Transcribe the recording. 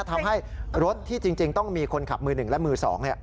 ทำให้รถที่จริงต้องมีคนขับมือหนึ่งและมือ๒